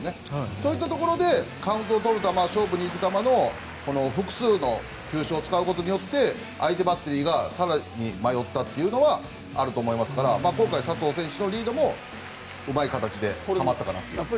そういったところでカウントをとる球勝負にいく球で複数の球種を使うことで相手バッテリーが更に迷ったというのはあると思いますから今回、佐々木選手のリードもうまい形ではまったかなと。